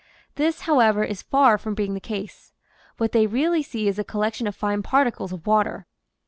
This, however, is far from being the case What they really see is a collection of fine particles of water.